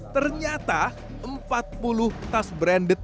ternyata empat puluh tas branded